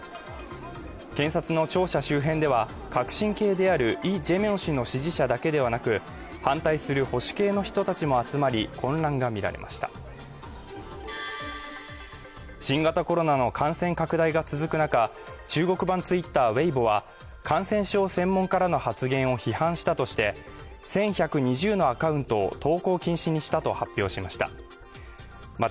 検察の庁舎周辺では革新系であるイ・ジェミョン氏の支持者だけではなく反対する保守系の人たちも集まり混乱が見られました新型コロナの感染拡大が続く中中国版ツイッターウェイボは感染症専門家らの発言を批判したとして１１２０のアカウント投稿禁止にしたと発表しました